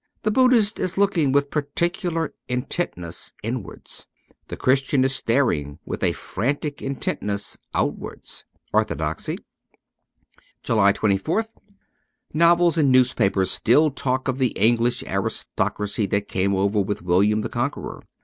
The Buddhist is looking with peculiar intentness inwards. The Christian is staring with a frantic intentness outwards. ' Orthodoxy ' i2i Q 2 JULY 24th NOVELS and newspapers still talk of the English aristocracy that came over with William the Conqueror.